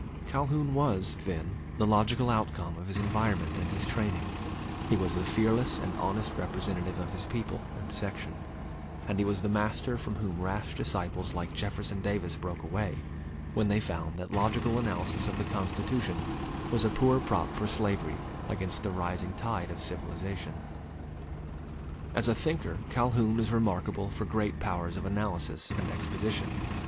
Calhoun was, then, the logical outcome of his environment and his training; he was the fearless and honest representative of his people and section; and he was the master from whom rash disciples like Jefferson Davis broke away, when they found that logical analysis of the Constitution was a poor prop for slavery against the rising tide of civilization. As a thinker Calhoun is remarkable for great powers of analysis and exposition.